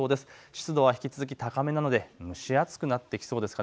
湿度は引き続き高めなので蒸し暑くなってきそうです。